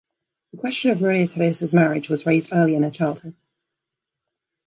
The question of Maria Theresa's marriage was raised early in her childhood.